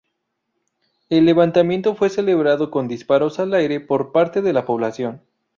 El levantamiento fue celebrado con disparos al aire por parte de la población.